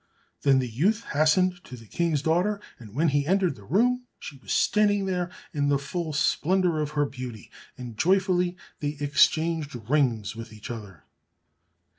Then the youth hastened to the King's daughter, and when he entered the room, she was standing there in the full splendour of her beauty, and joyfully they exchanged rings with each other.